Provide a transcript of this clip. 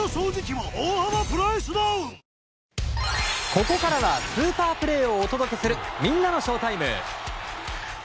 ここからはスーパープレーをお届けするみんなのＳＨＯＷＴＩＭＥ！